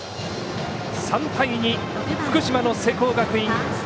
３対２、福島の聖光学院